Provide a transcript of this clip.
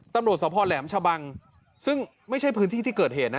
ตำรวจสภแหลมชะบังซึ่งไม่ใช่พื้นที่ที่เกิดเหตุนะ